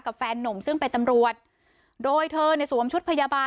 กับแฟนนมซึ่งเป็นตำรวจโดยเธอในสวมชุดพยาบาล